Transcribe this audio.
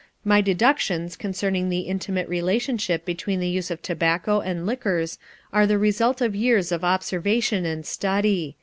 My deductions concerning the intimate relationship between the use of tobacco and liquors are the result of years of observation and study.